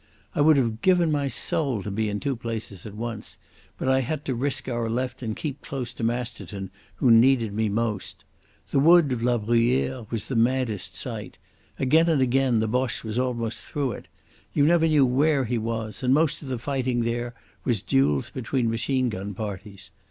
I would have given my soul to be in two places at once, but I had to risk our left and keep close to Masterton, who needed me most. The wood of La Bruyere was the maddest sight. Again and again the Boche was almost through it. You never knew where he was, and most of the fighting there was duels between machine gun parties.